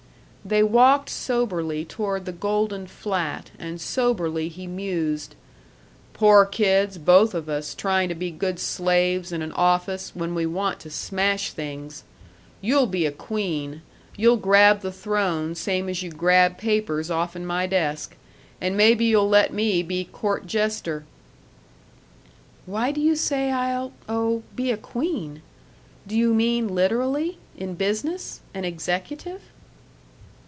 They walked soberly toward the Golden flat, and soberly he mused, "Poor kids, both of us trying to be good slaves in an office when we want to smash things.... You'll be a queen you'll grab the throne same as you grab papers offn my desk. And maybe you'll let me be court jester." "Why do you say I'll oh, be a queen? Do you mean literally, in business, an executive?"